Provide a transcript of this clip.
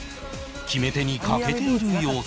決め手に欠けている様子